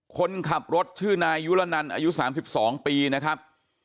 คนขับรถชื่อนายยุรนันอายุ๓๒ปีนะครับ